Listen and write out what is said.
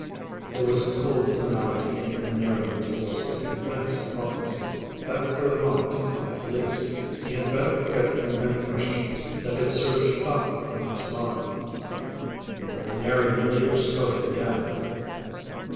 There was a cold finality in the Venerian's voice that convinced Parkinson that for the moment, at least, he had better forget the many questions that had surged up in his mind. The Venerian leader spoke again.